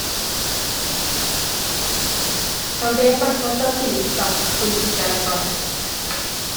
Cafodd ei adnabod fel dyn stoc gweithgar a gonest.